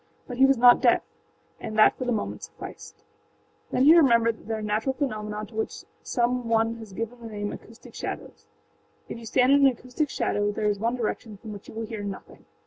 But he was not deaf, and that for the moment sufficed. Then he remembered that there are natural phenomena to which some one has given the name âacoustic shadows.â If you stand in an acoustic shadow there is one direction from which you will hear nothing.